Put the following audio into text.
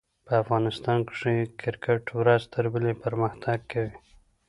په افغانستان کښي کرکټ ورځ تر بلي پرمختګ کوي.